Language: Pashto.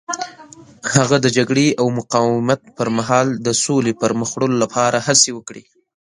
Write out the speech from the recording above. هغه د جګړې او مقاومت پر مهال د سولې پرمخ وړلو لپاره هڅې وکړې.